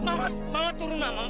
jangan jangan jangan